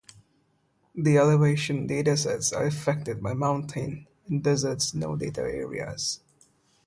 The elevation datasets are affected by mountain and desert no-data areas.